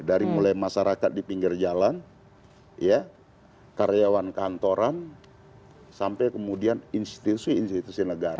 dari mulai masyarakat di pinggir jalan karyawan kantoran sampai kemudian institusi institusi negara